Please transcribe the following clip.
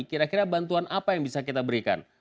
kira kira bantuan apa yang bisa kita berikan